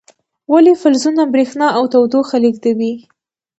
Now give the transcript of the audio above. ولې فلزونه برېښنا او تودوخه لیږدوي؟